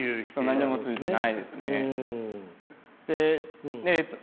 何もついてないですね。